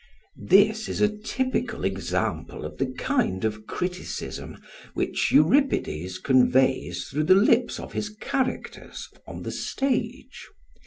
] This is a typical example of the kind of criticism which Euripides conveys through the lips of his characters on the stage.